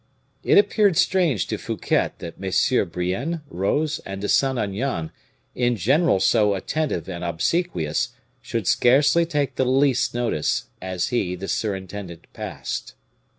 It appeared strange to Fouquet that MM. Brienne, Rose, and de Saint Aignan, in general so attentive and obsequious, should scarcely take the least notice, as he, the surintendant, passed.